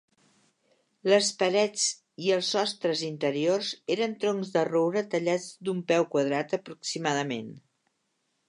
Les parets i els sostres interiors eren troncs de roure tallats d'un peu quadrat aproximadament.